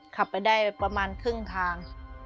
ขับไปได้ประมาณครึ่งทาง